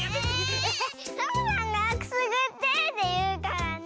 サボさんが「くすぐって」っていうからね。